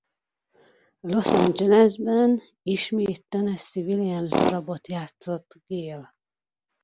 Los Angelesben ismét Tennessee Williams darabban játszott Gale.